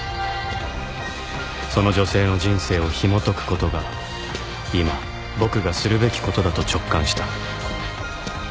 その女性の人生をひもとく事が今僕がするべき事だと直感した